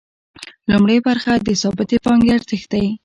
لومړۍ برخه د ثابتې پانګې ارزښت دی